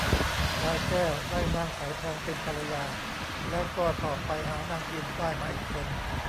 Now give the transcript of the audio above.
พลายแก้วได้นางสายทองเป็นภรรยา แล้วก็ต่อไปหานางพิม ได้มาอีกคน